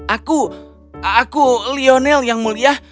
aku aku lionel yang mulia